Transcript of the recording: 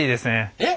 えっ？